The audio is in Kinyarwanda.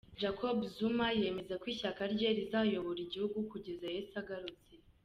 Jacob Zuma yemeza ko ishyaka rye rizayobora igihugu kugeza Yesu agarutse